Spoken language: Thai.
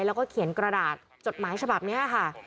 แล้วก็เขียนกระดาษจดหมายฉบับนี้ค่ะ